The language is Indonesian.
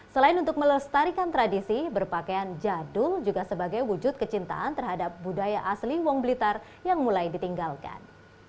selain untuk melestarikan tradisi berpakaian jadul juga sebagai wujud kecintaan terhadap budaya asli wong blitar yang mulai ditinggalkan